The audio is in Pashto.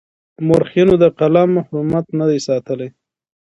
مورخينو د قلم حرمت نه دی ساتلی.